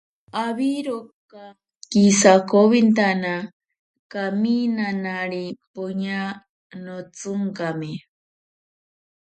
Awiroka kisakowintana, kaminanari poña notsinkame.